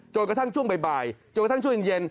จนกระทั่งช่วงใบบ่ายกระทั่งช่วงเอ่ยเย็น